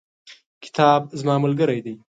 کتاب زما ملګری دی.